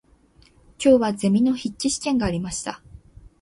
今日はゼミの筆記試験がありました。